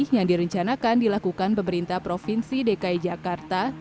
yang direncanakan dilakukan pemerintah provinsi dki jakarta